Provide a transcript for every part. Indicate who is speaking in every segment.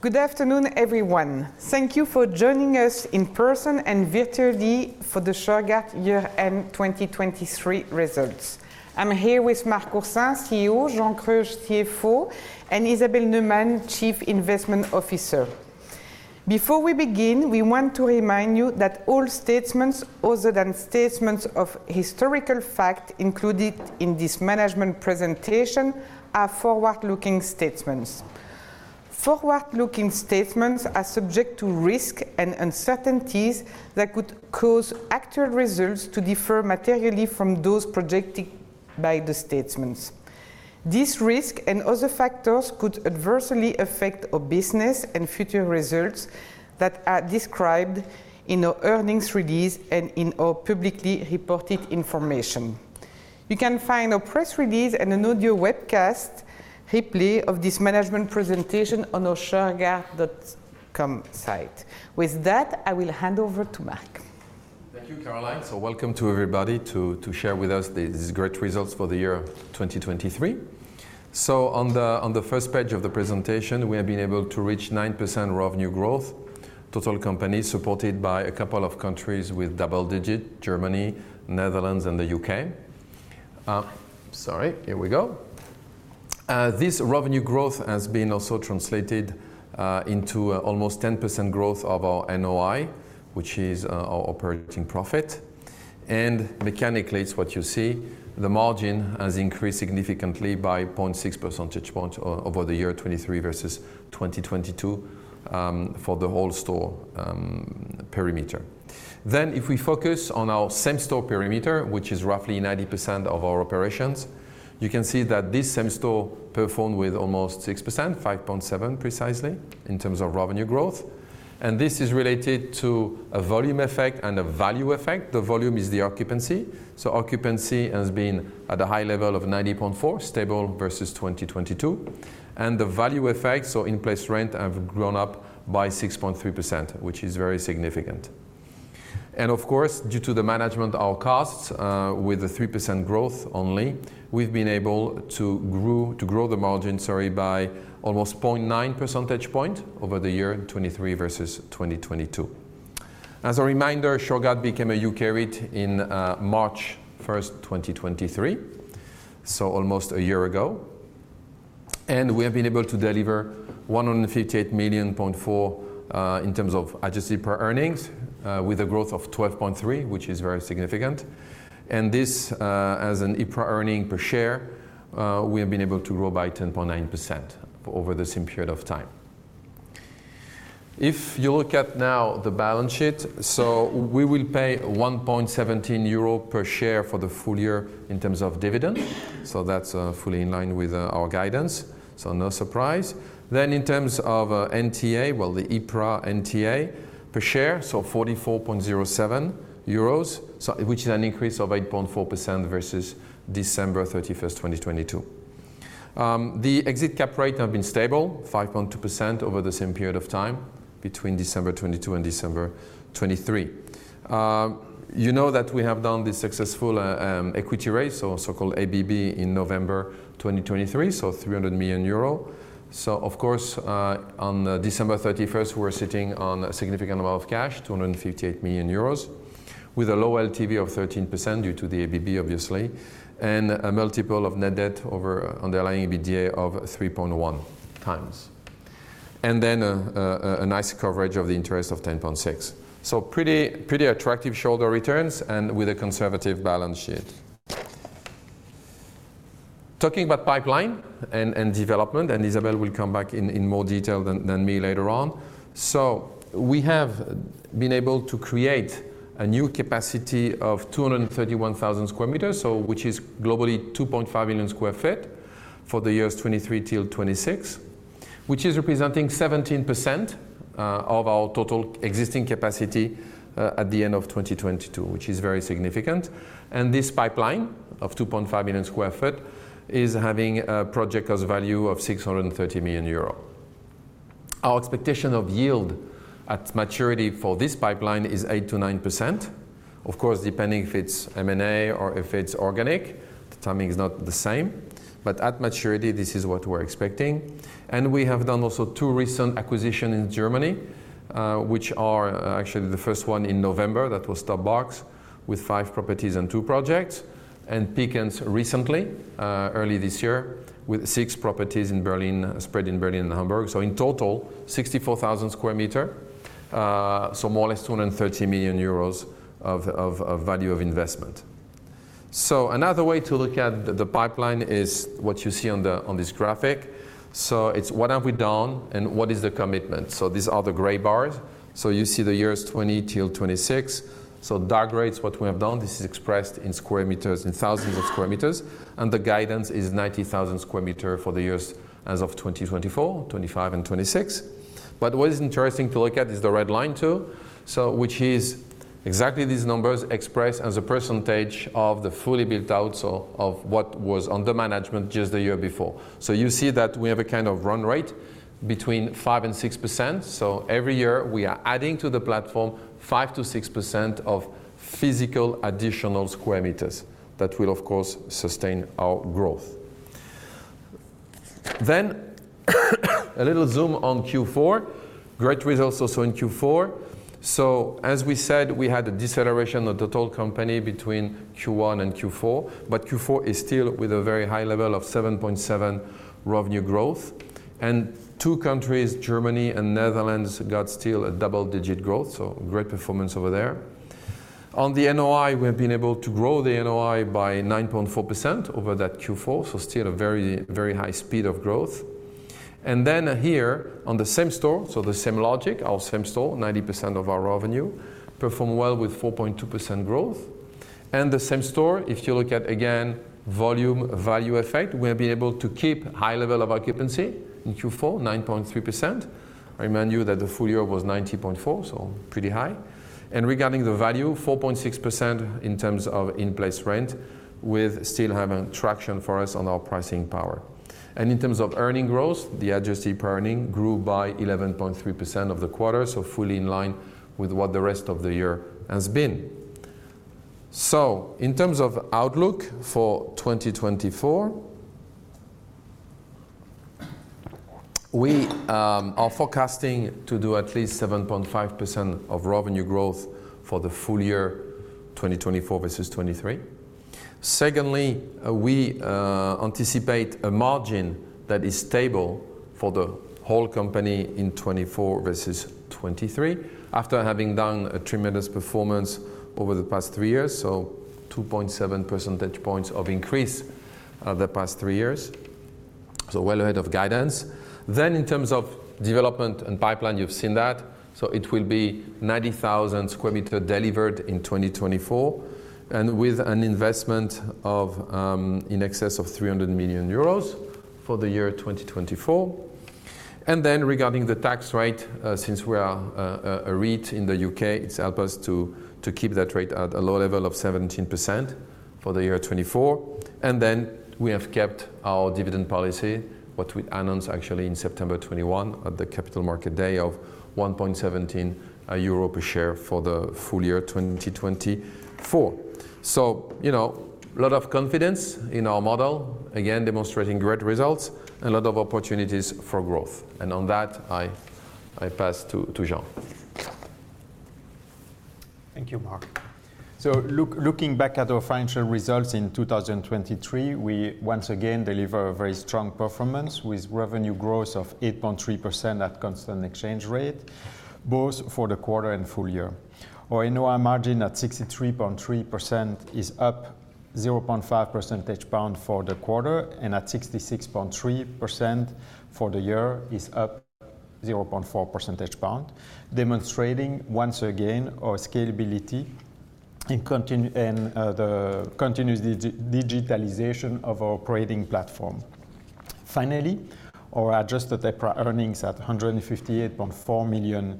Speaker 1: Good afternoon, everyone. Thank you for joining us in person and virtually for the Shurgard Year-End 2023 results. I'm here with Marc Oursin, CEO; Jean Kreusch, CFO; and Isabel Neumann, Chief Investment Officer. Before we begin, we want to remind you that all statements other than statements of historical fact included in this management presentation are forward-looking statements. Forward-looking statements are subject to risk and uncertainties that could cause actual results to differ materially from those projected by the statements. These risks and other factors could adversely affect our business and future results that are described in our earnings release and in our publicly reported information. You can find a press release and an audio webcast replay of this management presentation on our shurgard.com site. With that, I will hand over to Marc.
Speaker 2: Thank you, Caroline. Welcome to everybody to share with us these great results for the year 2023. On the first page of the presentation, we have been able to reach 9% revenue growth, total company supported by a couple of countries with double-digit: Germany, Netherlands, and the U.K. Sorry, here we go. This revenue growth has been also translated into almost 10% growth of our NOI, which is our operating profit. Mechanically, it's what you see: the margin has increased significantly by 0.6 percentage points over the year 2023 versus 2022 for the whole store perimeter. If we focus on our same store perimeter, which is roughly 90% of our operations, you can see that this same store performed with almost 6%, 5.7% precisely, in terms of revenue growth. This is related to a volume effect and a value effect. The volume is the occupancy, so occupancy has been at a high level of 90.4%, stable versus 2022. The value effect, so in-place rent, has grown up by 6.3%, which is very significant. Of course, due to the management of our costs with a 3% growth only, we've been able to grow the margin, sorry, by almost 0.9 percentage points over the year 2023 versus 2022. As a reminder, Shurgard became a U.K. REIT on March 1st, 2023, so almost a year ago. We have been able to deliver 158.4 million in terms of Adjusted EPRA earnings, with a growth of 12.3%, which is very significant. This, as an EPRA earning per share, we have been able to grow by 10.9% over the same period of time. If you look at now the balance sheet, so we will pay 1.17 euro per share for the full year in terms of dividends, so that's fully in line with our guidance, so no surprise. Then in terms of NTA, well, the EPRA NTA per share, so 44.07 euros, which is an increase of 8.4% versus December 31st, 2022. The exit cap rate has been stable, 5.2% over the same period of time, between December 2022 and December 2023. You know that we have done this successful equity raise, so-called ABB, in November 2023, so 300 million euro. So of course, on December 31st, we were sitting on a significant amount of cash, 258 million euros, with a low LTV of 13% due to the ABB, obviously, and a multiple of net debt over underlying EBITDA of 3.1x. And then a nice coverage of the interest of 10.6%. So pretty attractive shareholder returns and with a conservative balance sheet. Talking about pipeline and development, and Isabel will come back in more detail than me later on, so we have been able to create a new capacity of 231,000 sq m, which is globally 2.5 million sq ft for the years 2023 till 2026, which is representing 17% of our total existing capacity at the end of 2022, which is very significant. And this pipeline of 2.5 million sq ft is having a project cost value of 630 million euro. Our expectation of yield at maturity for this pipeline is 8%-9%, of course depending if it's M&A or if it's organic, the timing is not the same, but at maturity this is what we're expecting. And we have done also two recent acquisitions in Germany, which are actually the first one in November that was Top Box with five properties and two projects, and Pickens recently, early this year, with six properties spread in Berlin and Hamburg. So in total, 64,000 sq m, so more or less 230 million euros of value of investment. So another way to look at the pipeline is what you see on this graphic. So it's what have we done and what is the commitment? So these are the gray bars, so you see the years 2020 till 2026. So dark gray is what we have done, this is expressed in square meters, in thousands of square meters, and the guidance is 90,000 sq m for the years as of 2024, 2025, and 2026. But what is interesting to look at is the red line too, which is exactly these numbers expressed as a percentage of the fully built-out, so of what was under management just the year before. So you see that we have a kind of run rate between 5%-6%, so every year we are adding to the platform 5%-6% of physical additional square meters that will, of course, sustain our growth. Then a little zoom on Q4, great results also in Q4. So as we said, we had a deceleration of the total company between Q1 and Q4, but Q4 is still with a very high level of 7.7% revenue growth. And two countries, Germany and Netherlands, got still a double-digit growth, so great performance over there. On the NOI, we have been able to grow the NOI by 9.4% over that Q4, so still a very, very high speed of growth. Then here on the same store, so the same logic, our same store, 90% of our revenue, performed well with 4.2% growth. The same store, if you look at again volume value effect, we have been able to keep a high level of occupancy in Q4, 9.3%. I remind you that the full year was 90.4%, so pretty high. Regarding the value, 4.6% in terms of in-place rent, still having traction for us on our pricing power. In terms of earnings growth, the Adjusted EPRA earnings grew by 11.3% of the quarter, so fully in line with what the rest of the year has been. So in terms of outlook for 2024, we are forecasting to do at least 7.5% of revenue growth for the full year 2024 versus 2023. Secondly, we anticipate a margin that is stable for the whole company in 2024 versus 2023, after having done a tremendous performance over the past three years, so 2.7 percentage points of increase the past three years, so well ahead of guidance. Then in terms of development and pipeline, you've seen that, so it will be 90,000 sq m delivered in 2024, and with an investment in excess of 300 million euros for the year 2024. And then regarding the tax rate, since we are a REIT in the U.K., it's helped us to keep that rate at a low level of 17% for the year 2024. We have kept our dividend policy, what we announced actually in September 2021 at the Capital Market Day, of 1.17 euro per share for the full year 2024. So, you know, a lot of confidence in our model, again demonstrating great results and a lot of opportunities for growth. On that, I pass to Jean.
Speaker 3: Thank you, Marc. Looking back at our financial results in 2023, we once again deliver a very strong performance with revenue growth of 8.3% at constant exchange rate, both for the quarter and full year. Our NOI margin at 63.3% is up 0.5 percentage point for the quarter, and at 66.3% for the year is up 0.4 percentage point, demonstrating once again our scalability and the continuous digitalization of our operating platform. Finally, our Adjusted EPRA earnings at 158.4 million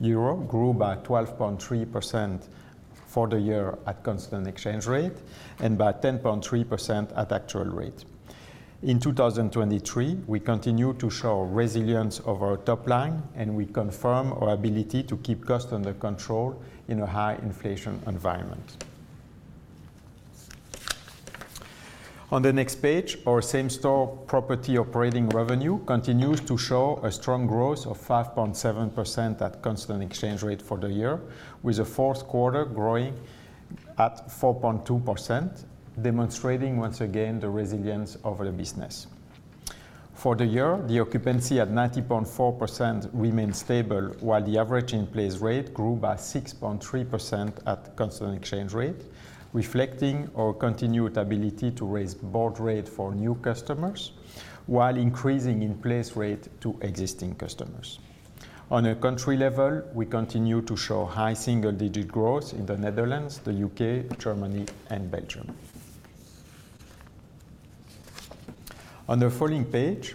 Speaker 3: euro grew by 12.3% for the year at constant exchange rate and by 10.3% at actual rate. In 2023, we continue to show resilience of our top line, and we confirm our ability to keep cost under control in a high inflation environment. On the next page, our same store property operating revenue continues to show a strong growth of 5.7% at constant exchange rate for the year, with the fourth quarter growing at 4.2%, demonstrating once again the resilience of the business. For the year, the occupancy at 90.4% remained stable, while the average in-place rate grew by 6.3% at constant exchange rate, reflecting our continued ability to raise rent rates for new customers while increasing in-place rates to existing customers. On a country level, we continue to show high single-digit growth in the Netherlands, the U.K., Germany, and Belgium. On the following page,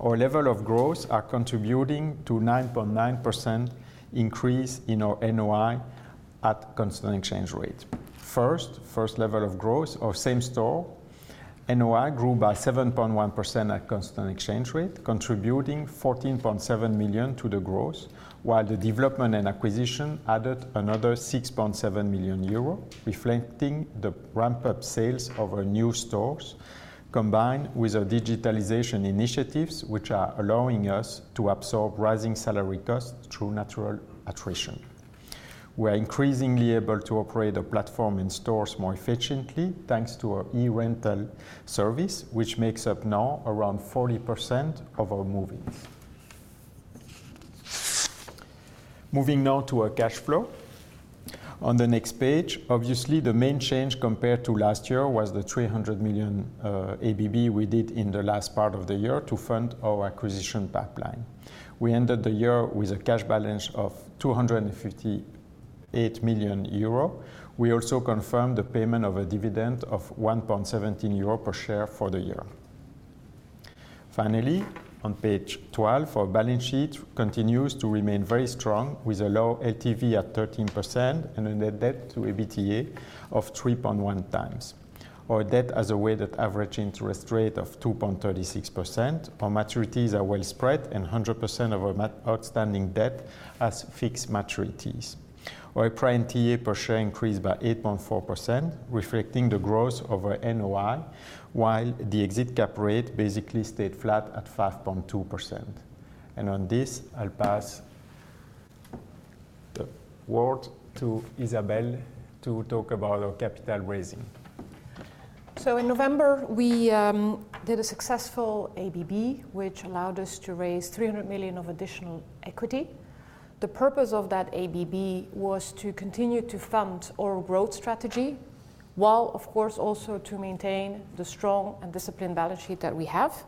Speaker 3: our levels of growth are contributing to a 9.9% increase in our NOI at constant exchange rate. First, first level of growth, our same store NOI grew by 7.1% at constant exchange rate, contributing 14.7 million to the growth, while the development and acquisition added another 6.7 million euro, reflecting the ramp-up sales of our new stores combined with our digitalization initiatives, which are allowing us to absorb rising salary costs through natural attrition. We are increasingly able to operate our platform and stores more efficiently thanks to our e-rental service, which makes up now around 40% of our movings. Moving now to our cash flow. On the next page, obviously the main change compared to last year was the 300 million ABB we did in the last part of the year to fund our acquisition pipeline. We ended the year with a cash balance of 258 million euro. We also confirmed the payment of a dividend of 1.17 euro per share for the year. Finally, on page 12, our balance sheet continues to remain very strong, with a low LTV at 13% and a net debt to EBITDA of 3.1x. Our debt has a weighted average interest rate of 2.36%. Our maturities are well spread, and 100% of our outstanding debt has fixed maturities. Our EPRA NTA per share increased by 8.4%, reflecting the growth of our NOI, while the exit cap rate basically stayed flat at 5.2%. On this, I'll pass the word to Isabel to talk about our capital raising.
Speaker 4: In November, we did a successful ABB, which allowed us to raise 300 million of additional equity. The purpose of that ABB was to continue to fund our growth strategy, while of course also to maintain the strong and disciplined balance sheet that we have.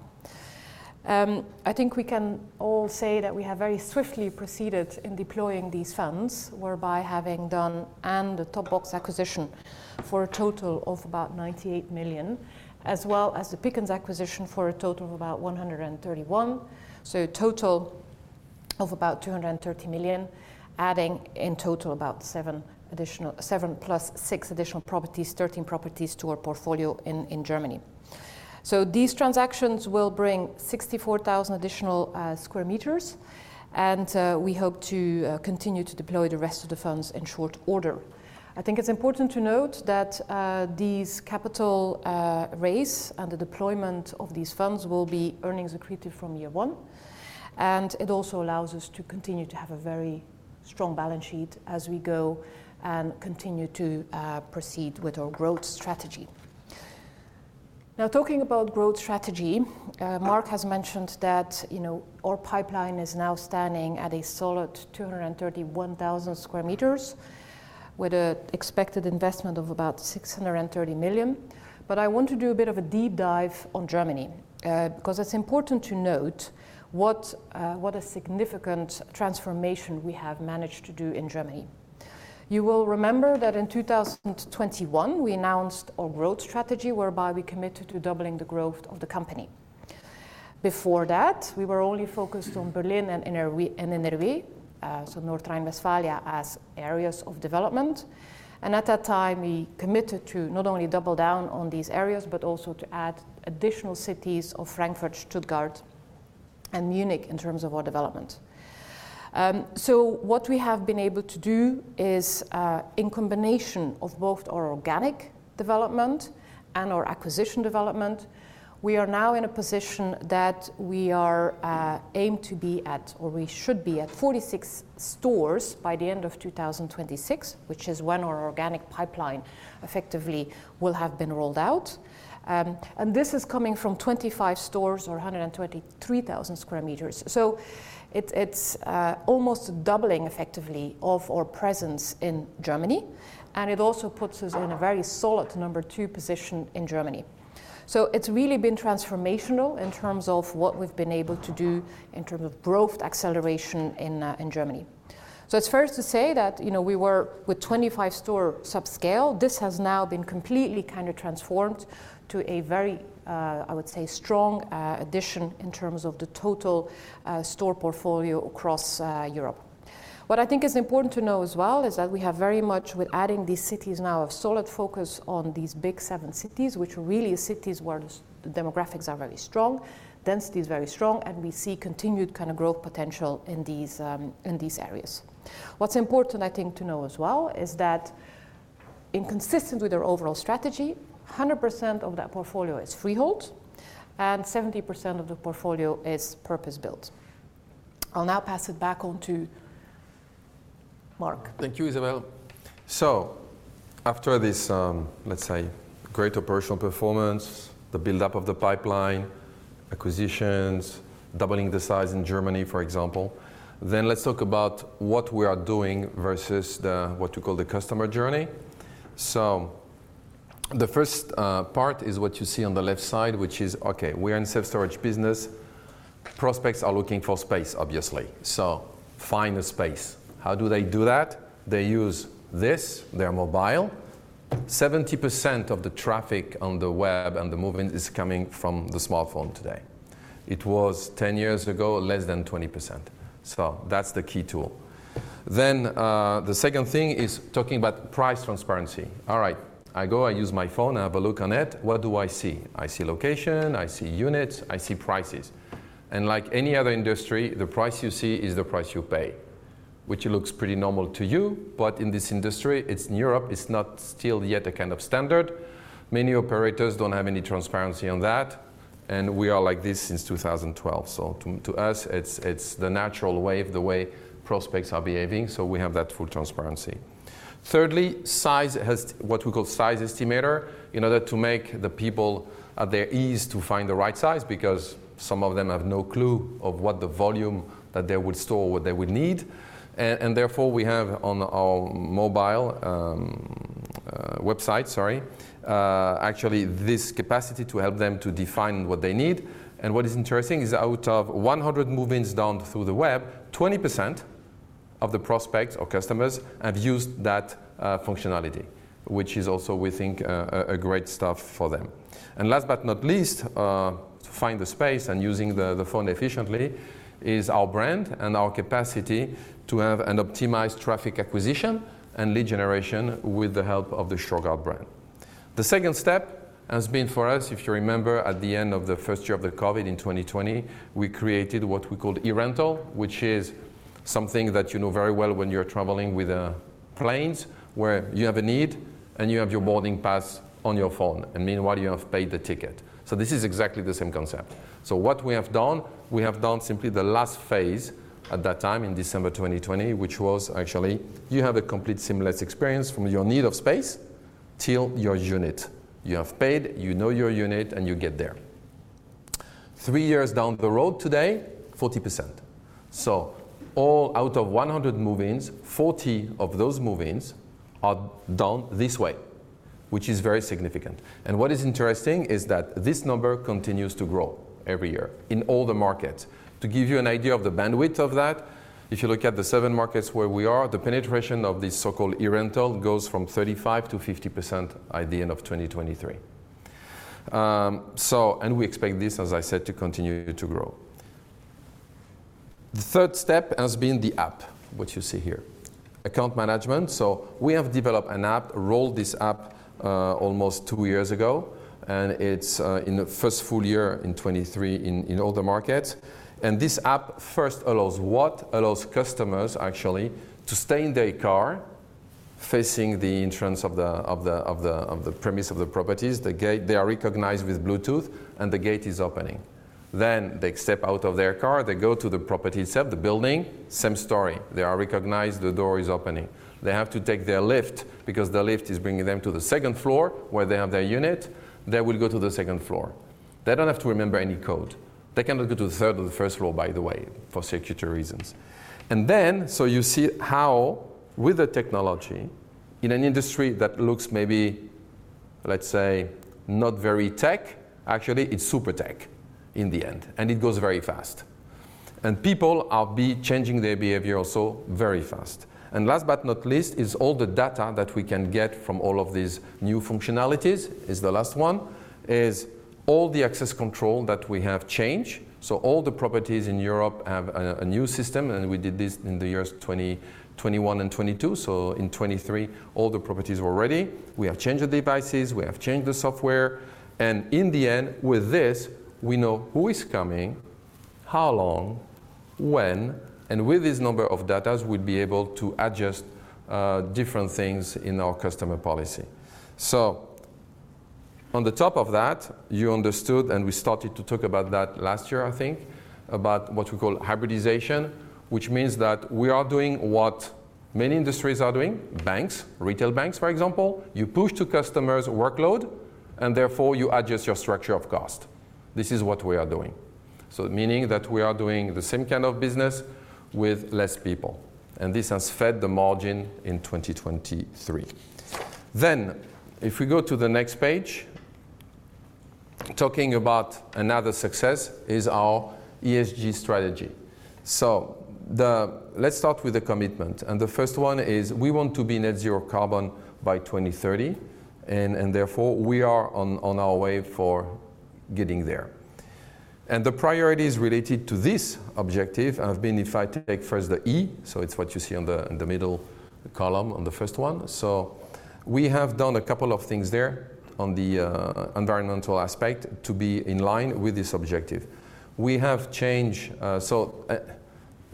Speaker 4: I think we can all say that we have very swiftly proceeded in deploying these funds, whereby having done the Top Box acquisition for a total of about 98 million, as well as the Pickens acquisition for a total of about 131 million, so a total of about 230 million, adding in total about 7 + 6 additional properties, 13 properties, to our portfolio in Germany. These transactions will bring 64,000 sq m, and we hope to continue to deploy the rest of the funds in short order. I think it's important to note that these capital raises and the deployment of these funds will be earnings accrued from year one, and it also allows us to continue to have a very strong balance sheet as we go and continue to proceed with our growth strategy. Now talking about growth strategy, Marc has mentioned that our pipeline is now standing at a solid 231,000 sq m, with an expected investment of about 630 million. But I want to do a bit of a deep dive on Germany, because it's important to note what a significant transformation we have managed to do in Germany. You will remember that in 2021 we announced our growth strategy, whereby we committed to doubling the growth of the company. Before that, we were only focused on Berlin and NRW, so North Rhine-Westphalia, as areas of development. At that time, we committed to not only double down on these areas, but also to add additional cities of Frankfurt, Stuttgart, and Munich in terms of our development. What we have been able to do is, in combination of both our organic development and our acquisition development, we are now in a position that we aim to be at, or we should be at, 46 stores by the end of 2026, which is when our organic pipeline effectively will have been rolled out. This is coming from 25 stores or 123,000 sq m, so it's almost doubling effectively of our presence in Germany, and it also puts us in a very solid number two position in Germany. It's really been transformational in terms of what we've been able to do in terms of growth acceleration in Germany. So it's fair to say that we were with 25-store subscale; this has now been completely kind of transformed to a very, I would say, strong addition in terms of the total store portfolio across Europe. What I think is important to know as well is that we have very much, with adding these cities now, a solid focus on these Big Seven cities, which are really cities where the demographics are very strong, density is very strong, and we see continued kind of growth potential in these areas. What's important, I think, to know as well is that, consistent with our overall strategy, 100% of that portfolio is freehold, and 70% of the portfolio is purpose-built. I'll now pass it back on to Marc.
Speaker 2: Thank you, Isabel. So after this, let's say, great operational performance, the build-up of the pipeline, acquisitions, doubling the size in Germany, for example, then let's talk about what we are doing versus what you call the customer journey. So the first part is what you see on the left side, which is, okay, we are in a self-storage business, prospects are looking for space, obviously, so find a space. How do they do that? They use this, they are mobile, 70% of the traffic on the web and the moving is coming from the smartphone today. It was 10 years ago less than 20%, so that's the key tool. Then the second thing is talking about price transparency. All right, I go, I use my phone, I have a look on it, what do I see? I see location, I see units, I see prices. Like any other industry, the price you see is the price you pay, which looks pretty normal to you, but in this industry, it's in Europe, it's not still yet a kind of standard. Many operators don't have any transparency on that, and we are like this since 2012, so to us it's the natural wave, the way prospects are behaving, so we have that full transparency. Thirdly, size has what we call a size estimator in order to make the people at their ease to find the right size, because some of them have no clue of what the volume that they would store or what they would need, and therefore we have on our mobile website, sorry, actually this capacity to help them to define what they need. And what is interesting is, out of 100 movings down through the web, 20% of the prospects or customers have used that functionality, which is also, we think, great stuff for them. And last but not least, to find the space and using the phone efficiently is our brand and our capacity to have an optimized traffic acquisition and lead generation with the help of the Shurgard brand. The second step has been for us, if you remember, at the end of the first year of the COVID in 2020, we created what we called e-rental, which is something that you know very well when you're traveling with planes, where you have a need and you have your boarding pass on your phone, and meanwhile you have paid the ticket. So this is exactly the same concept. So what we have done, we have done simply the last phase at that time, in December 2020, which was actually, you have a complete seamless experience from your need of space till your unit. You have paid, you know your unit, and you get there. Three years down the road today, 40%. So out of 100 movings, 40 of those movings are done this way, which is very significant. And what is interesting is that this number continues to grow every year in all the markets. To give you an idea of the bandwidth of that, if you look at the seven markets where we are, the penetration of this so-called e-rental goes from 35%-50% at the end of 2023. And we expect this, as I said, to continue to grow. The third step has been the app, what you see here, account management. So we have developed an app, rolled this app almost two years ago, and it's in the first full year in 2023 in all the markets. And this app first allows what? Allows customers, actually, to stay in their car facing the entrance of the premises of the properties, the gate, they are recognized with Bluetooth, and the gate is opening. Then they step out of their car, they go to the property itself, the building, same story, they are recognized, the door is opening. They have to take their lift, because the lift is bringing them to the second floor where they have their unit, they will go to the second floor. They don't have to remember any code. They cannot go to the third or the first floor, by the way, for security reasons. Then, so you see how, with the technology, in an industry that looks maybe, let's say, not very tech, actually it's super tech in the end, and it goes very fast. People are changing their behavior also very fast. And last but not least is all the data that we can get from all of these new functionalities, is the last one, is all the access control that we have changed. So all the properties in Europe have a new system, and we did this in the years 2021 and 2022, so in 2023 all the properties were ready, we have changed the devices, we have changed the software, and in the end, with this, we know who is coming, how long, when, and with this number of data we'd be able to adjust different things in our customer policy. So on top of that, you understood, and we started to talk about that last year, I think, about what we call hybridization, which means that we are doing what many industries are doing, banks, retail banks, for example, you push to customers' workload, and therefore you adjust your structure of cost. This is what we are doing, so meaning that we are doing the same kind of business with less people, and this has fed the margin in 2023. Then, if we go to the next page, talking about another success is our ESG strategy. So let's start with the commitment, and the first one is we want to be net-zero carbon by 2030, and therefore we are on our way for getting there. The priorities related to this objective have been, if I take first the E, so it's what you see in the middle column on the first one, so we have done a couple of things there on the environmental aspect to be in line with this objective. We have changed, so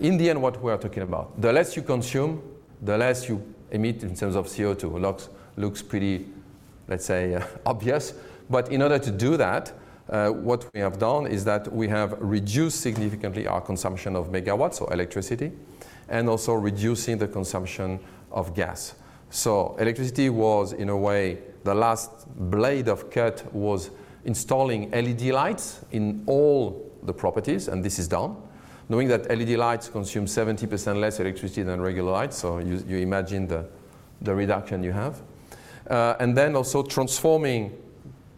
Speaker 2: in the end what we are talking about, the less you consume, the less you emit in terms of CO2, looks pretty, let's say, obvious, but in order to do that, what we have done is that we have reduced significantly our consumption of megawatts, so electricity, and also reducing the consumption of gas. So electricity was, in a way, the last blade of cut was installing LED lights in all the properties, and this is done, knowing that LED lights consume 70% less electricity than regular lights, so you imagine the reduction you have. And then also transforming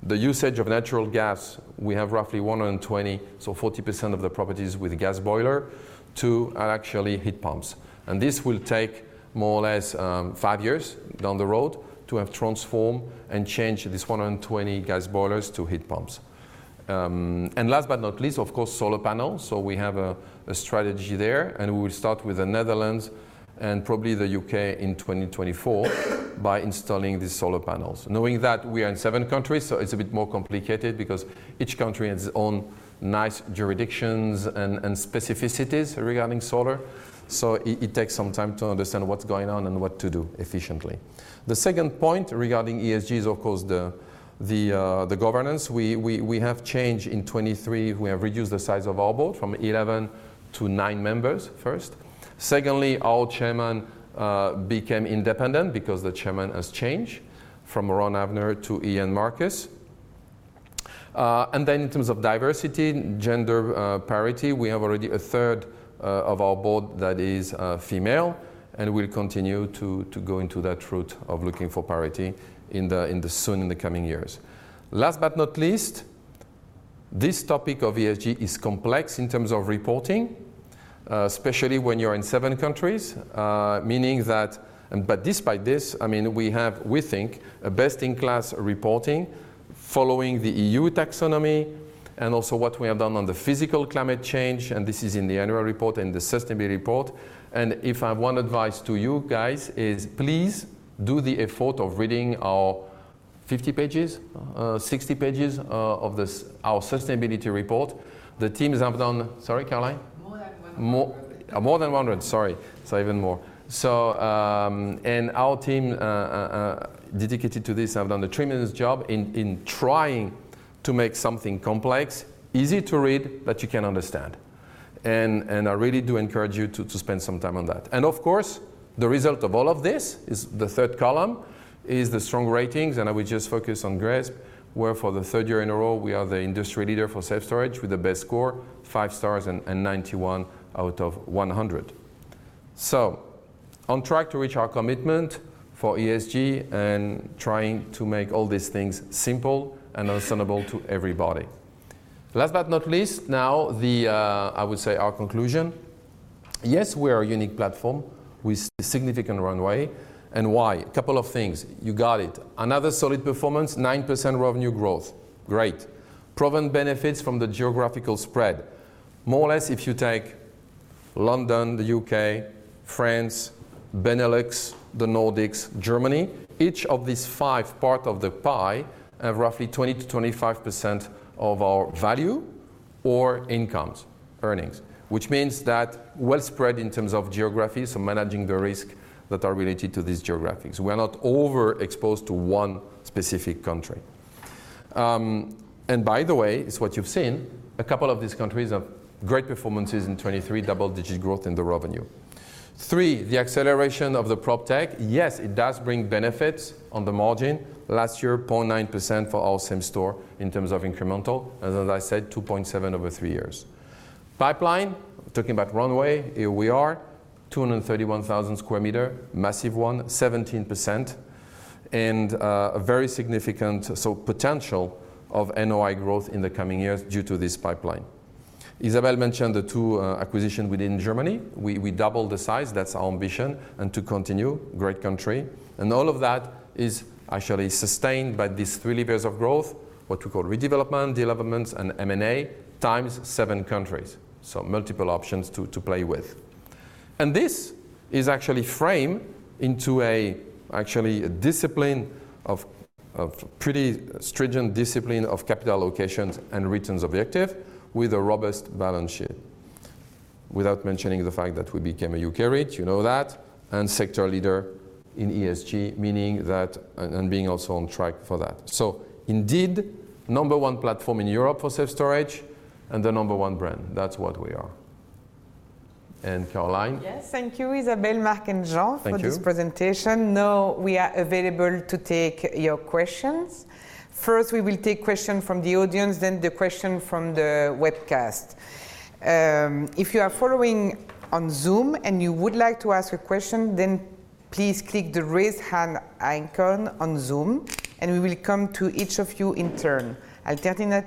Speaker 2: the usage of natural gas, we have roughly 120, so 40% of the properties with gas boilers, to actually heat pumps. And this will take more or less five years down the road to have transformed and changed these 120 gas boilers to heat pumps. And last but not least, of course, solar panels, so we have a strategy there, and we will start with the Netherlands and probably the U.K. in 2024 by installing these solar panels. Knowing that we are in seven countries, so it's a bit more complicated, because each country has its own nice jurisdictions and specificities regarding solar, so it takes some time to understand what's going on and what to do efficiently. The second point regarding ESG is, of course, the governance. We have changed in 2023, we have reduced the size of our board from 11 to nine members first. Secondly, our chairman became independent, because the chairman has changed, from Ron Havner to Ian Marcus. And then in terms of diversity, gender parity, we have already a third of our board that is female, and we'll continue to go into that route of looking for parity soon in the coming years. Last but not least, this topic of ESG is complex in terms of reporting, especially when you're in seven countries, meaning that, but despite this, I mean, we have, we think, a best-in-class reporting following the EU Taxonomy, and also what we have done on the physical climate change, and this is in the annual report and the sustainability report. If I have one advice to you guys, is please do the effort of reading our 50 pages, 60 pages of our sustainability report. The teams have done, sorry, Caroline?
Speaker 1: More than 100.
Speaker 2: More than 100, sorry, so even more. Our team dedicated to this have done a tremendous job in trying to make something complex easy to read, but you can understand. I really do encourage you to spend some time on that. Of course, the result of all of this, the third column, is the strong ratings, and I will just focus on GRESB, where for the third year in a row we are the industry leader for self-storage with the best score, five stars and 91 out of 100. So on track to reach our commitment for ESG and trying to make all these things simple and understandable to everybody. Last but not least, now the, I would say, our conclusion. Yes, we are a unique platform with significant runway, and why? A couple of things, you got it. Another solid performance, 9% revenue growth, great. Proven benefits from the geographical spread, more or less if you take London, the U.K., France, Benelux, the Nordics, Germany, each of these five parts of the pie have roughly 20%-25% of our value or incomes, earnings, which means that well spread in terms of geography, so managing the risk that are related to these geographies. We are not overexposed to one specific country. And by the way, it's what you've seen, a couple of these countries have great performances in 2023, double-digit growth in the revenue. Three, the acceleration of the prop-tech, yes, it does bring benefits on the margin, last year 0.9% for our same store in terms of incremental, and as I said, 2.7% over three years. Pipeline, talking about runway, here we are, 231,000 sq m, massive one, 17%, and a very significant, so potential of NOI growth in the coming years due to this pipeline. Isabel mentioned the two acquisitions within Germany, we doubled the size, that's our ambition, and to continue, great country, and all of that is actually sustained by these three levers of growth, what we call redevelopment, developments, and M&A, times seven countries, so multiple options to play with. And this is actually framed into actually a discipline of pretty stringent discipline of capital allocations and returns objectives with a robust balance sheet, without mentioning the fact that we became a U.K. REIT, you know that, and sector leader in ESG, meaning that and being also on track for that. So indeed, number one platform in Europe for self-storage and the number one brand, that's what we are. And Caroline?
Speaker 1: Yes, thank you, Isabel, Marc, and Jean for this presentation. Now we are available to take your questions. First we will take questions from the audience, then the question from the webcast. If you are following on Zoom and you would like to ask a question, then please click the raise hand icon on Zoom, and we will come to each of you in turn. Alternatively,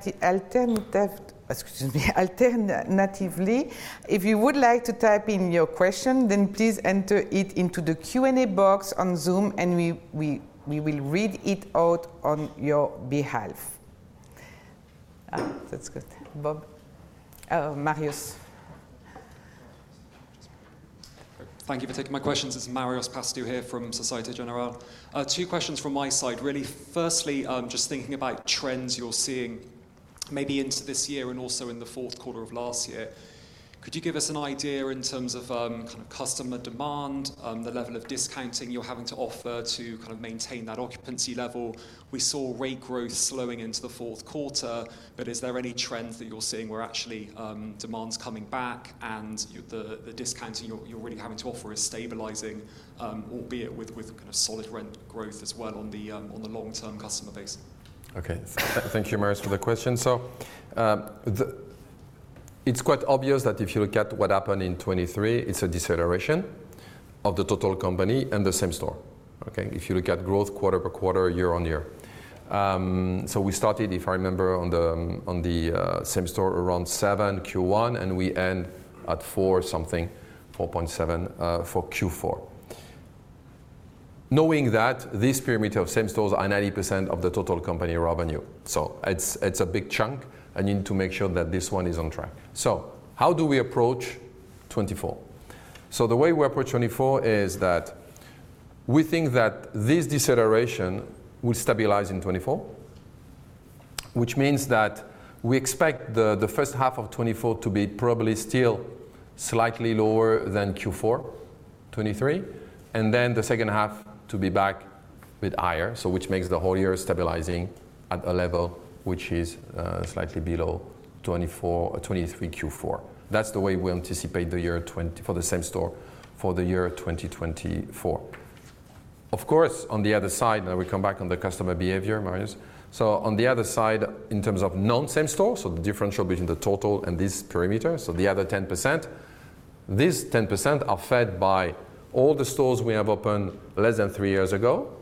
Speaker 1: if you would like to type in your question, then please enter it into the Q&A box on Zoom and we will read it out on your behalf. That's good. Marius.
Speaker 5: Thank you for taking my questions, it's Marios Pastou here from Société Générale. Two questions from my side, really, firstly just thinking about trends you're seeing maybe into this year and also in the fourth quarter of last year. Could you give us an idea in terms of kind of customer demand, the level of discounting you're having to offer to kind of maintain that occupancy level? We saw rate growth slowing into the fourth quarter, but is there any trend that you're seeing where actually demand's coming back and the discounting you're really having to offer is stabilizing, albeit with kind of solid rent growth as well on the long-term customer base?
Speaker 2: Okay, thank you Marios for the question. So it's quite obvious that if you look at what happened in 2023, it's a deceleration of the total company and the same store, okay? If you look at growth quarter by quarter, year-on-year. So we started, if I remember, on the same store around 7% Q1 and we end at four something, 4.7% for Q4. Knowing that, this perimeter of same stores are 90% of the total company revenue, so it's a big chunk and you need to make sure that this one is on track. So how do we approach 2024? So the way we approach 2024 is that we think that this deceleration will stabilize in 2024, which means that we expect the first half of 2024 to be probably still slightly lower than Q4 2023, and then the second half to be back with higher, so which makes the whole year stabilizing at a level which is slightly below 2023 Q4. That's the way we anticipate the year for the same store for the year 2024. Of course, on the other side, now we come back on the customer behavior, Marios. So on the other side in terms of non-same store, so the differential between the total and this perimeter, so the other 10%, these 10% are fed by all the stores we have opened less than three years ago,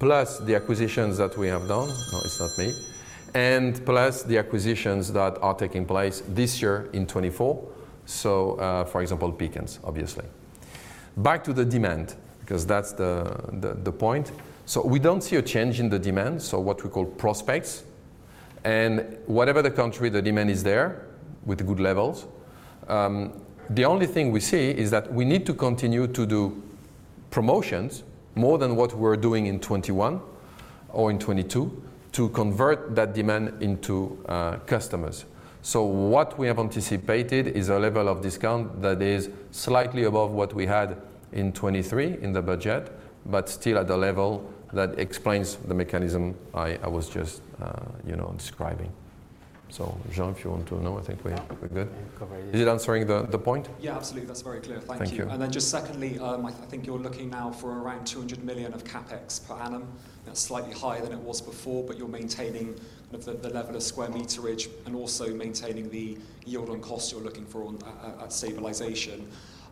Speaker 2: plus the acquisitions that we have done, no, it's not me, and plus the acquisitions that are taking place this year in 2024, so for example, Pickens, obviously. Back to the demand, because that's the point, so we don't see a change in the demand, so what we call prospects, and whatever the country, the demand is there with good levels. The only thing we see is that we need to continue to do promotions more than what we were doing in 2021 or in 2022 to convert that demand into customers. So what we have anticipated is a level of discount that is slightly above what we had in 2023 in the budget, but still at a level that explains the mechanism I was just describing. So Jean, if you want to know, I think we're good. Is it answering the point?
Speaker 5: Yeah, absolutely, that's very clear, thank you. Then just secondly, I think you're looking now for around 200 million of CapEx per annum, that's slightly higher than it was before, but you're maintaining kind of the level of square meterage and also maintaining the yield on cost you're looking for at stabilization.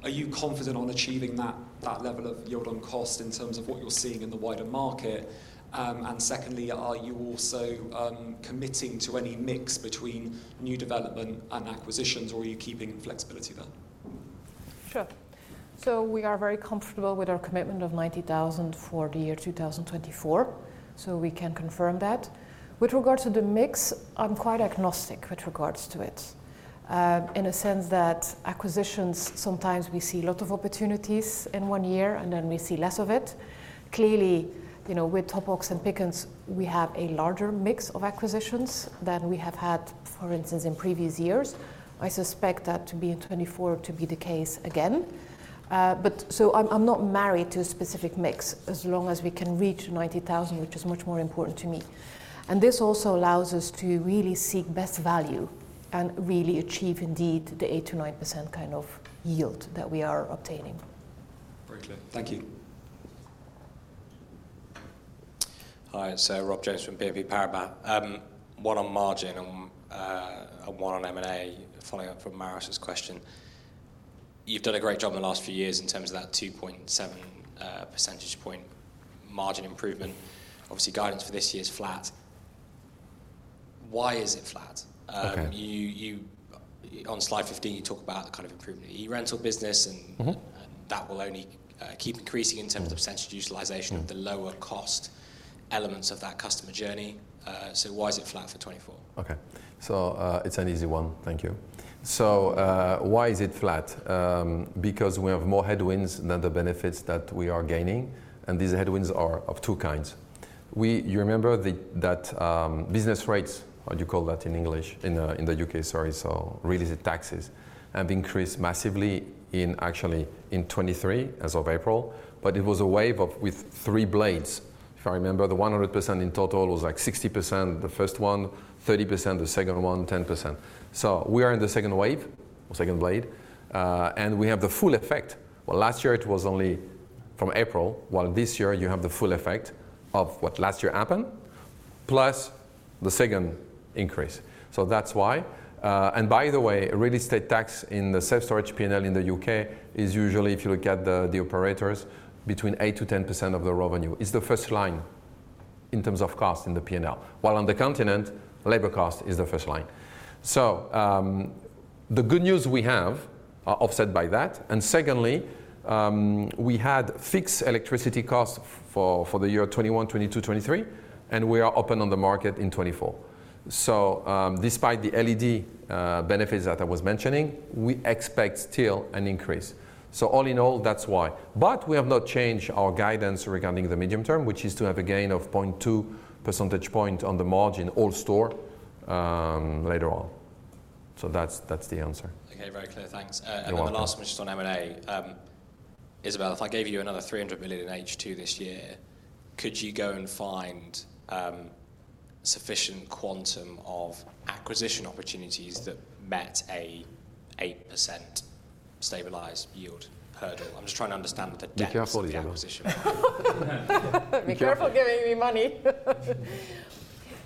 Speaker 5: Are you confident on achieving that level of yield on cost in terms of what you're seeing in the wider market? Secondly, are you also committing to any mix between new development and acquisitions, or are you keeping flexibility there?
Speaker 4: Sure, so we are very comfortable with our commitment of 90,000 for the year 2024, so we can confirm that. With regard to the mix, I'm quite agnostic with regards to it, in a sense that acquisitions, sometimes we see a lot of opportunities in one year and then we see less of it. Clearly, with Top Box and Pickens, we have a larger mix of acquisitions than we have had, for instance, in previous years. I suspect that to be in 2024 to be the case again, but so I'm not married to a specific mix as long as we can reach 90,000, which is much more important to me. And this also allows us to really seek best value and really achieve indeed the 8%-9% kind of yield that we are obtaining.
Speaker 3: Very clear, thank you.
Speaker 6: Hi, it's Rob Joyce from BNP Paribas. One on margin and one on M&A, following up from Marios' question. You've done a great job in the last few years in terms of that 2.7 percentage point margin improvement. Obviously, guidance for this year is flat. Why is it flat? On slide 15, you talk about the kind of improvement in e-rental business and that will only keep increasing in terms of percentage utilization of the lower cost elements of that customer journey, so why is it flat for 2024?
Speaker 2: Okay, so it's an easy one, thank you. So why is it flat? Because we have more headwinds than the benefits that we are gaining, and these headwinds are of two kinds. You remember that business rates, how do you call that in English, in the U.K., sorry, so [release taxes], have increased massively actually in 2023 as of April, but it was a wave with three blades. If I remember, the 100% in total was like 60% the first one, 30% the second one, 10%. So we are in the second wave or second blade, and we have the full effect. Well, last year it was only from April, while this year you have the full effect of what last year happened, plus the second increase. So that's why. By the way, a real estate tax in the self-storage P&L in the U.K. is usually, if you look at the operators, between 8%-10% of the revenue. It's the first line in terms of cost in the P&L, while on the continent, labor cost is the first line. So the good news we have are offset by that, and secondly, we had fixed electricity costs for the year 2021, 2022, 2023, and we are open on the market in 2024. So despite the LED benefits that I was mentioning, we expect still an increase. So all in all, that's why. But we have not changed our guidance regarding the medium term, which is to have a gain of 0.2 percentage point on the all-store margin later on. So that's the answer.
Speaker 6: Okay, very clear, thanks. And then the last one is just on M&A. Isabel, if I gave you another 300 million in H2 this year, could you go and find sufficient quantum of acquisition opportunities that met an 8% stabilized yield hurdle? I'm just trying to understand the depth of the acquisition.
Speaker 4: Be careful giving me money.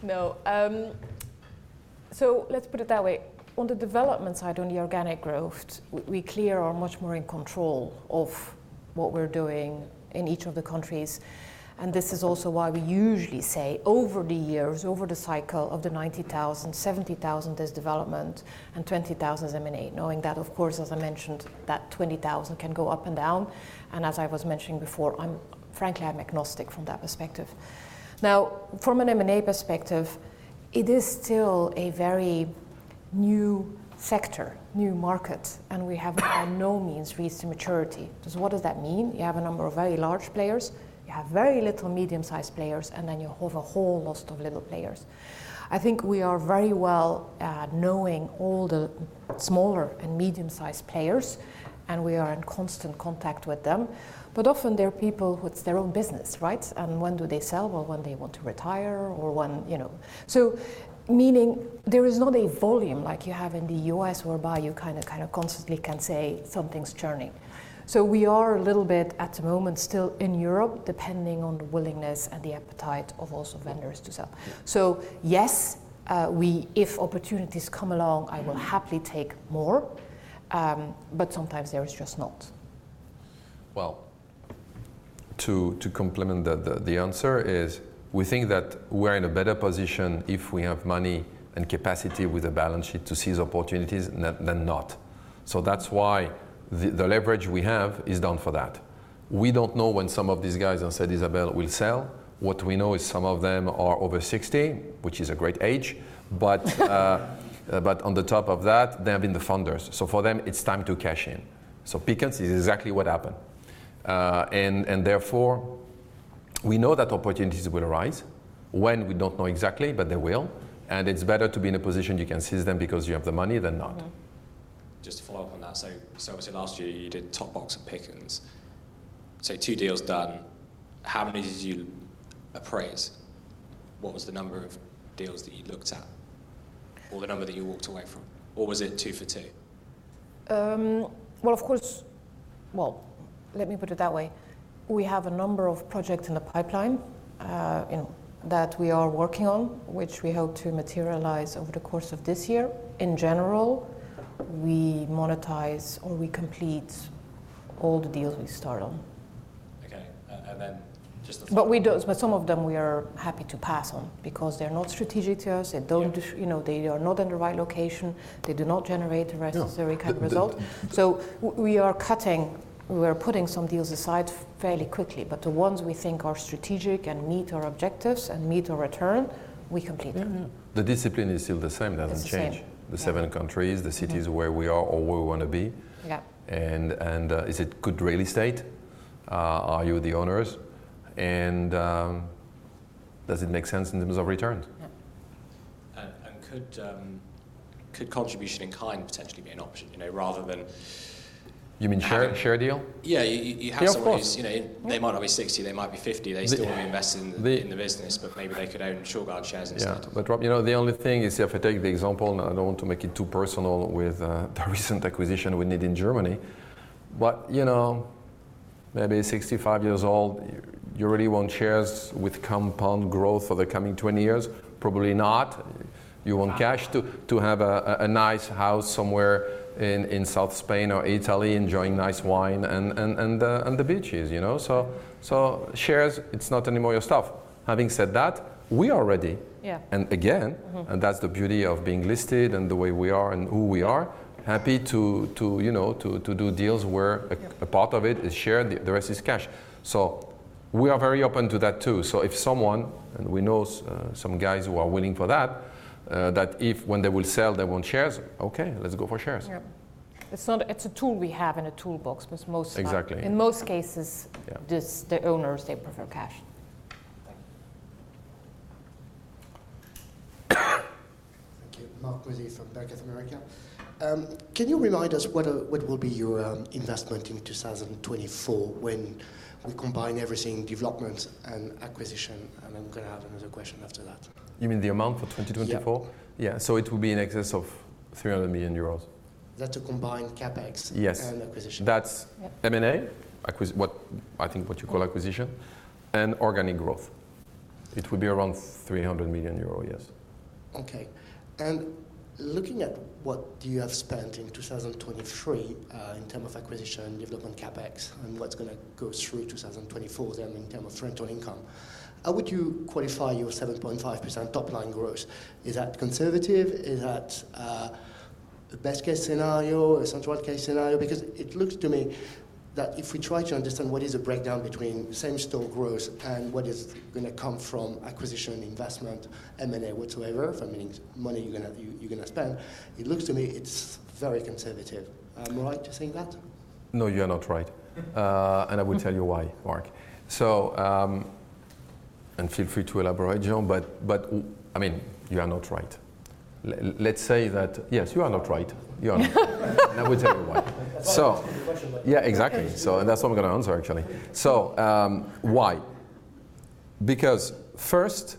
Speaker 4: No, so let's put it that way. On the development side on the organic growth, we clearly are much more in control of what we're doing in each of the countries, and this is also why we usually say over the years, over the cycle of the 90,000, 70,000 as development and 20,000 as M&A, knowing that, of course, as I mentioned, that 20,000 can go up and down, and as I was mentioning before, frankly, I'm agnostic from that perspective. Now, from an M&A perspective, it is still a very new sector, new market, and we have by no means reached maturity. So what does that mean? You have a number of very large players, you have very little medium-sized players, and then you have a whole host of little players. I think we are very well knowing all the smaller and medium-sized players, and we are in constant contact with them, but often they're people who it's their own business, right? And when do they sell? Well, when they want to retire or when, you know. So meaning there is not a volume like you have in the U.S. whereby you kind of constantly can say something's churning. So we are a little bit at the moment still in Europe, depending on the willingness and the appetite of also vendors to sell. So yes, if opportunities come along, I will happily take more, but sometimes there is just not.
Speaker 2: Well, to complement the answer is we think that we're in a better position if we have money and capacity with a balance sheet to seize opportunities than not. So that's why the leverage we have is down for that. We don't know when some of these guys have said, "Isabel, we'll sell." What we know is some of them are over 60, which is a great age, but on top of that, they have been the funders, so for them it's time to cash in. So Pickens is exactly what happened, and therefore we know that opportunities will arise when we don't know exactly, but they will, and it's better to be in a position you can seize them because you have the money than not.
Speaker 6: Just to follow up on that, so obviously last year you did Top Box and Pickens. So two deals done, how many did you appraise? What was the number of deals that you looked at or the number that you walked away from, or was it two for two?
Speaker 4: Well, of course, well, let me put it that way. We have a number of projects in the pipeline that we are working on, which we hope to materialize over the course of this year. In general, we monetize or we complete all the deals we start on.
Speaker 6: Okay, and then just the.
Speaker 4: But some of them we are happy to pass on because they're not strategic to us, they are not in the right location, they do not generate the necessary kind of result. So we are cutting, we are putting some deals aside fairly quickly, but the ones we think are strategic and meet our objectives and meet our return, we complete them.
Speaker 2: The discipline is still the same, doesn't change? The seven countries, the cities where we are or where we want to be, and is it good real estate? Are you the owners? Does it make sense in terms of returns?
Speaker 6: Could contribution in kind potentially be an option, rather than?
Speaker 2: You mean share deal?
Speaker 6: Yeah, you have some of these, they might be 60, they might be 50, they still want to be investing in the business, but maybe they could own Shurgard shares instead.
Speaker 2: Yeah, but Rob, the only thing is if I take the example, and I don't want to make it too personal with the recent acquisition we need in Germany, but maybe 65 years old, you really want shares with compound growth for the coming 20 years? Probably not. You want cash to have a nice house somewhere in South Spain or Italy enjoying nice wine and the beaches, you know? So shares, it's not anymore your stuff. Having said that, we are ready, and again, and that's the beauty of being listed and the way we are and who we are, happy to do deals where a part of it is shared, the rest is cash. So we are very open to that too. If someone, and we know some guys who are willing for that, that if when they will sell they want shares, okay, let's go for shares.
Speaker 4: Yeah, it's a tool we have in a toolbox, but most cases, the owners, they prefer cash.
Speaker 6: Thank you.
Speaker 7: Thank you, Marc Mozzi from Bank of America. Can you remind us what will be your investment in 2024, when we combine everything, development and acquisition, and I'm going to have another question after that?
Speaker 2: You mean the amount for 2024?
Speaker 7: Yeah.
Speaker 2: Yeah, so it will be in excess of 300 million euros.
Speaker 7: That's a combined CapEx and acquisition?
Speaker 2: Yes, that's M&A, what I think what you call acquisition, and organic growth. It will be around 300 million euro, yes.
Speaker 7: Okay, and looking at what you have spent in 2023 in terms of acquisition, development, CapEx, and what's going to go through 2024 then in terms of rental income, how would you qualify your 7.5% top-line growth? Is that conservative? Is that a best-case scenario, a centralized case scenario? Because it looks to me that if we try to understand what is the breakdown between same store growth and what is going to come from acquisition, investment, M&A, whatsoever, if I'm meaning money you're going to spend, it looks to me it's very conservative. Am I right to saying that?
Speaker 2: No, you are not right, and I will tell you why, Marc. And feel free to elaborate, Jean, but I mean, you are not right. Let's say that, yes, you are not right, you are not right, and I will tell you why. So yeah, exactly, so that's what I'm going to answer actually. So why? Because first,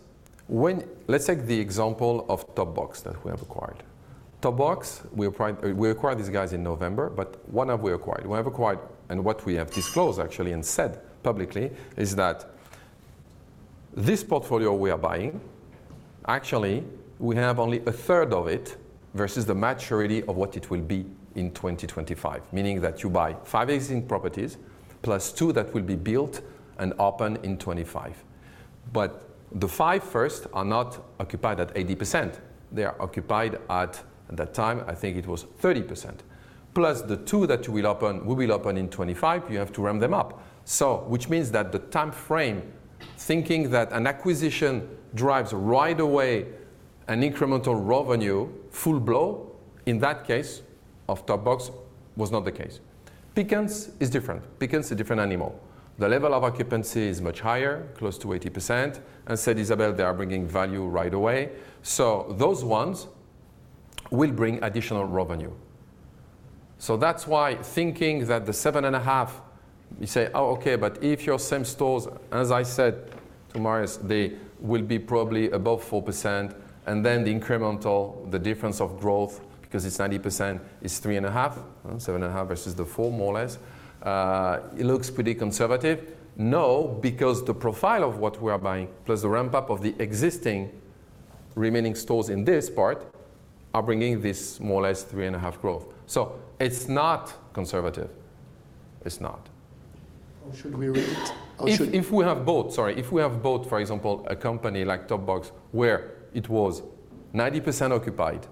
Speaker 2: let's take the example of Top Box that we have acquired. Top Box, we acquired these guys in November, but when have we acquired? When have we acquired, and what we have disclosed actually and said publicly is that this portfolio we are buying, actually we have only a third of it versus the maturity of what it will be in 2025, meaning that you buy five existing properties +2 that will be built and open in 2025. But the five first are not occupied at 80%, they are occupied at that time, I think it was 30%, plus the two that you will open, we will open in 2025, you have to ramp them up. So which means that the time frame, thinking that an acquisition drives right away an incremental revenue, full blow, in that case of Top Box was not the case. Pickens is different, Pickens is a different animal. The level of occupancy is much higher, close to 80%, and said, "Isabel, they are bringing value right away," so those ones will bring additional revenue. So that's why thinking that the 7.5%, you say, "Oh, okay, but if your same stores, as I said to Marios, they will be probably above 4%," and then the incremental, the difference of growth because it's 90% is 3.5%, 7.5% versus the 4% more or less, it looks pretty conservative. No, because the profile of what we are buying, plus the ramp-up of the existing remaining stores in this part, are bringing this more or less 3.5% growth. So it's not conservative, it's not.
Speaker 7: Or should we read it?
Speaker 2: If we have both, sorry, if we have both, for example, a company like Top Box where it was 90% occupied,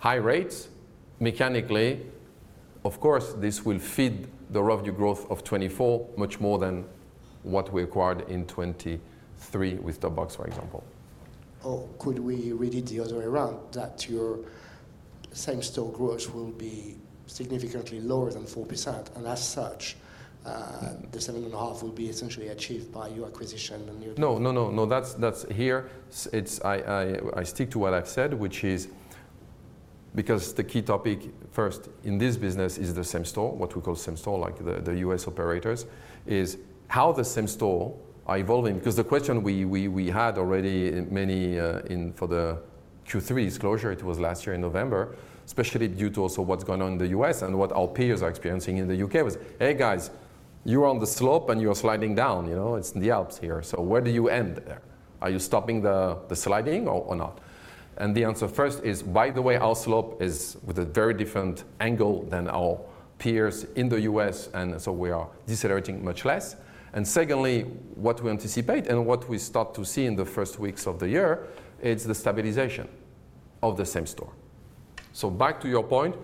Speaker 2: high rates, mechanically, of course this will feed the revenue growth of 2024 much more than what we acquired in 2023 with Top Box, for example.
Speaker 7: Or could we read it the other way around, that your same store growth will be significantly lower than 4%, and as such, the 7.5% will be essentially achieved by your acquisition and your.
Speaker 2: No, no, no, no, that's here. I stick to what I've said, which is because the key topic first in this business is the same store, what we call same store, like the U.S. operators, is how the same store are evolving. Because the question we had already for the Q3 disclosure, it was last year in November, especially due to also what's going on in the U.S. and what our peers are experiencing in the U.K. was, "Hey guys, you're on the slope and you're sliding down, you know, it's in the Alps here, so where do you end there? Are you stopping the sliding or not?" And the answer first is, "By the way, our slope is with a very different angle than our peers in the U.S., and so we are decelerating much less." And secondly, what we anticipate and what we start to see in the first weeks of the year is the stabilization of the same store. So back to your point,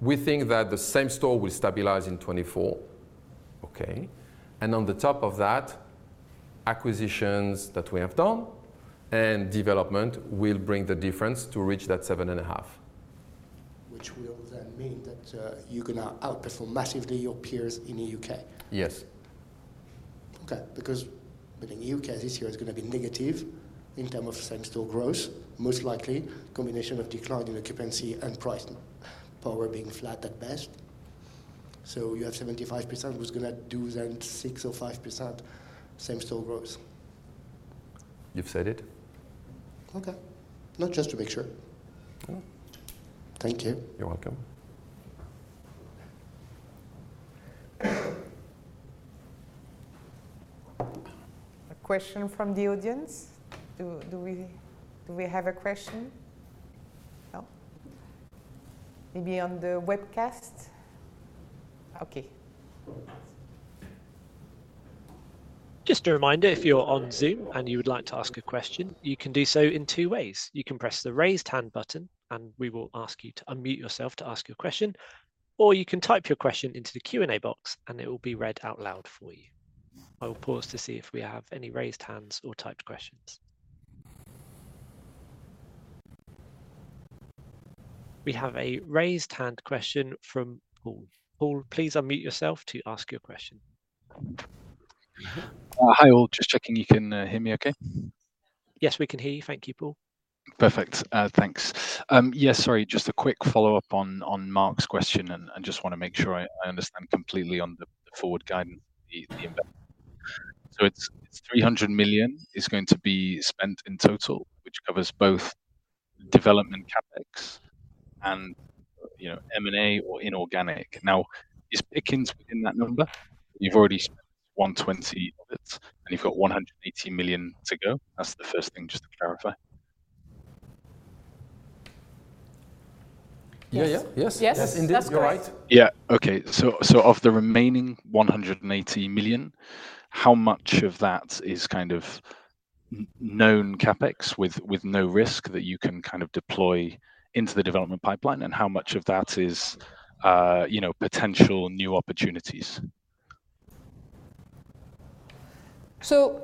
Speaker 2: we think that the same store will stabilize in 2024, okay, and on the top of that, acquisitions that we have done and development will bring the difference to reach that 7.5%.
Speaker 7: Which will then mean that you're going to outperform massively your peers in the U.K.?
Speaker 2: Yes.
Speaker 7: Okay, because in the U.K. this year is going to be negative in terms of same store growth, most likely a combination of decline in occupancy and price power being flat at best. So you have 75%, who's going to do then 6% or 5% same store growth?
Speaker 2: You've said it.
Speaker 7: Okay, not just to make sure. Thank you.
Speaker 2: You're welcome.
Speaker 1: A question from the audience? Do we have a question? No? Maybe on the webcast? Okay.
Speaker 8: Just a reminder, if you're on Zoom and you would like to ask a question, you can do so in two ways. You can press the raised hand button and we will ask you to unmute yourself to ask your question, or you can type your question into the Q&A box and it will be read out loud for you. I will pause to see if we have any raised hands or typed questions. We have a raised hand question from Paul. Paul, please unmute yourself to ask your question.
Speaker 9: Hi all, just checking you can hear me okay?
Speaker 8: Yes, we can hear you, thank you Paul.
Speaker 9: Perfect, thanks. Yes, sorry, just a quick follow-up on Marc's question and just want to make sure I understand completely on the forward guidance for the investment. So it's 300 million is going to be spent in total, which covers both development CapEx and M&A or inorganic. Now, is Pickens within that number? You've already spent 120 million of it and you've got 180 million to go. That's the first thing, just to clarify.
Speaker 2: Yeah, yeah, yes, yes, indeed, you're right.
Speaker 9: Yeah, okay, so of the remaining 180 million, how much of that is kind of known CapEx with no risk that you can kind of deploy into the development pipeline and how much of that is potential new opportunities?
Speaker 4: So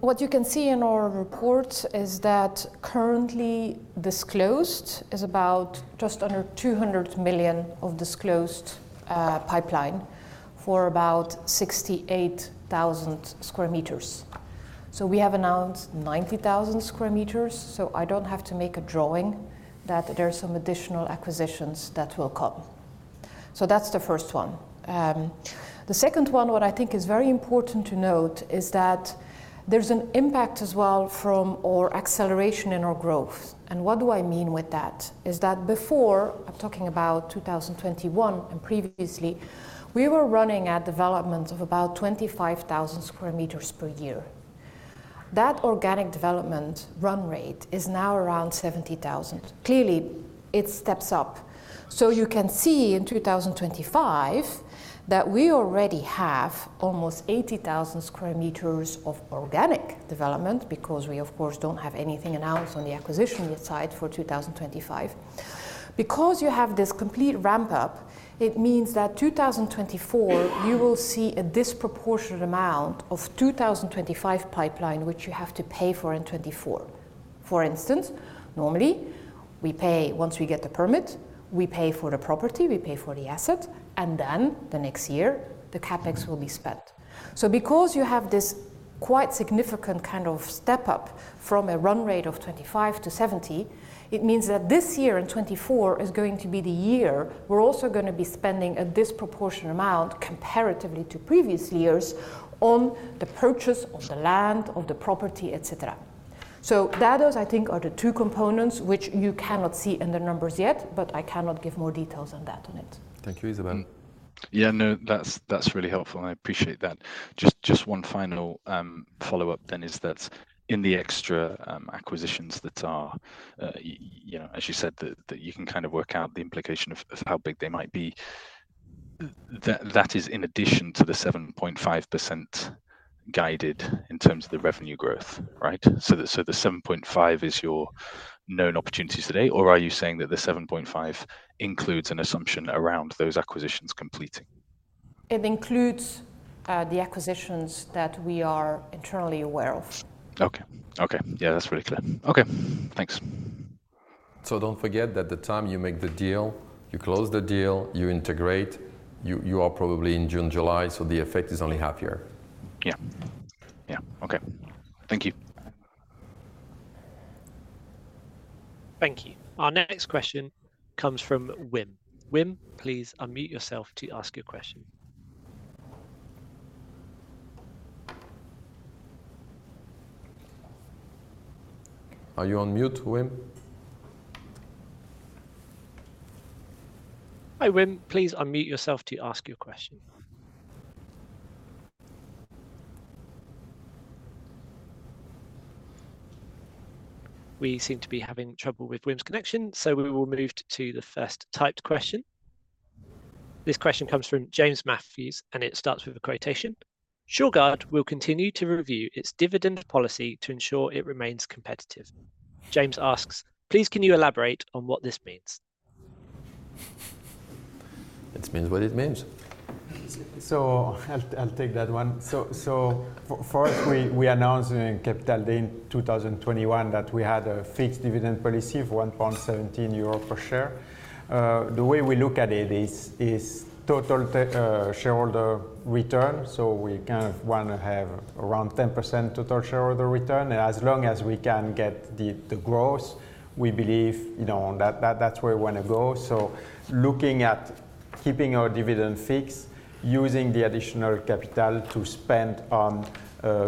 Speaker 4: what you can see in our reports is that currently disclosed is about just under 200 million of disclosed pipeline for about 68,000 sq m. So we have announced 90,000 sq m, so I don't have to make a drawing that there's some additional acquisitions that will come. So that's the first one. The second one, what I think is very important to note is that there's an impact as well from our acceleration in our growth. And what do I mean with that? Is that before, I'm talking about 2021 and previously, we were running at development of about 25,000 sq m per year. That organic development run rate is now around 70,000. Clearly, it steps up. So you can see in 2025 that we already have almost 80,000 sq m of organic development because we, of course, do not have anything announced on the acquisition front for 2025. Because you have this complete ramp-up, it means that 2024 you will see a disproportionate amount of 2025 pipeline which you have to pay for in 2024. For instance, normally, we pay once we get the permit, we pay for the property, we pay for the asset, and then the next year the CapEx will be spent. So because you have this quite significant kind of step-up from a run rate of 25-70, it means that this year in 2024 is going to be the year we're also going to be spending a disproportionate amount comparatively to previous years on the purchase of the land, of the property, etc. That, I think, are the two components which you cannot see in the numbers yet, but I cannot give more details than that on it.
Speaker 9: Thank you, Isabel. Yeah, no, that's really helpful, and I appreciate that. Just one final follow-up then is that in the extra acquisitions that are, as you said, that you can kind of work out the implication of how big they might be, that is in addition to the 7.5% guided in terms of the revenue growth, right? So the 7.5% is your known opportunities today, or are you saying that the 7.5% includes an assumption around those acquisitions completing?
Speaker 4: It includes the acquisitions that we are internally aware of.
Speaker 9: Okay, okay, yeah, that's really clear. Okay, thanks.
Speaker 2: Don't forget that the time you make the deal, you close the deal, you integrate, you are probably in June, July, so the effect is only half-year.
Speaker 9: Yeah, yeah, okay. Thank you.
Speaker 8: Thank you. Our next question comes from Wim. Wim, please unmute yourself to ask your question.
Speaker 2: Are you on mute, Wim?
Speaker 8: Hi Wim, please unmute yourself to ask your question. We seem to be having trouble with Wim's connection, so we will move to the first typed question. This question comes from James Matthews, and it starts with a quotation. "Shurgard will continue to review its dividend policy to ensure it remains competitive." James asks, "Please can you elaborate on what this means?
Speaker 2: It means what it means. I'll take that one. First, we announced in Capital Day in 2021 that we had a fixed dividend policy of 1.17 euro per share. The way we look at it is total shareholder return, so we kind of want to have around 10% total shareholder return. As long as we can get the growth, we believe that's where we want to go. Looking at keeping our dividend fixed, using the additional capital to spend on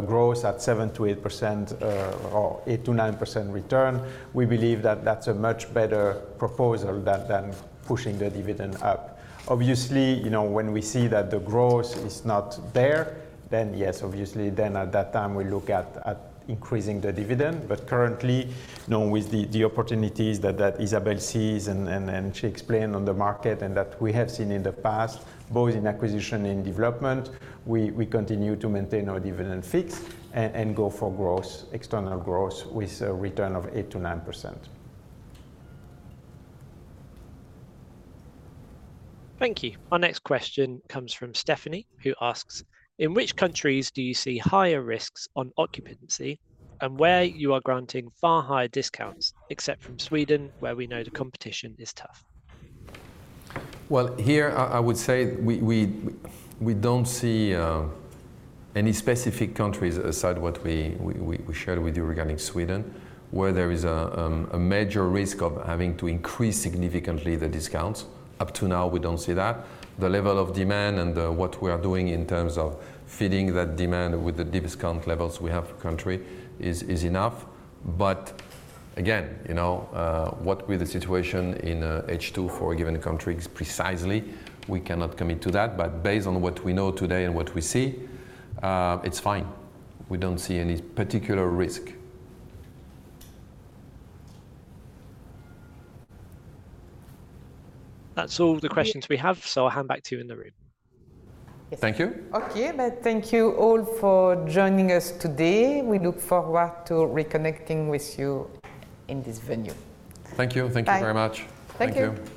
Speaker 2: growth at 7%-8% or 8%-9% return, we believe that that's a much better proposal than pushing the dividend up. Obviously, when we see that the growth is not there, then yes, obviously, then at that time we look at increasing the dividend. But currently, with the opportunities that Isabel sees and she explained on the market and that we have seen in the past, both in acquisition and development, we continue to maintain our dividend fixed and go for external growth with a return of 8%-9%.
Speaker 8: Thank you. Our next question comes from Stephanie, who asks, "In which countries do you see higher risks on occupancy and where you are granting far higher discounts, except from Sweden where we know the competition is tough?
Speaker 2: Well, here I would say we don't see any specific countries aside from what we shared with you regarding Sweden, where there is a major risk of having to increase significantly the discounts. Up to now, we don't see that. The level of demand and what we are doing in terms of feeding that demand with the discount levels we have per country is enough. But again, what with the situation in H2 for a given country is precisely, we cannot commit to that. But based on what we know today and what we see, it's fine. We don't see any particular risk.
Speaker 8: That's all the questions we have, so I'll hand back to you in the room.
Speaker 2: Thank you.
Speaker 1: Okay, but thank you all for joining us today. We look forward to reconnecting with you in this venue.
Speaker 2: Thank you, thank you very much.
Speaker 1: Thank you.
Speaker 2: Thank you.